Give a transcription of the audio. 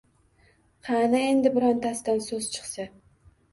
Qani endi birortasidan so`z chiqsa